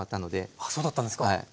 あそうだったんですか。はい。